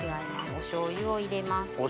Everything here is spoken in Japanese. おしょう油を入れます。